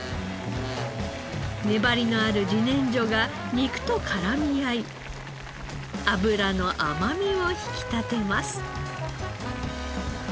粘りのある自然薯が肉と絡み合い脂の甘みを引き立てます。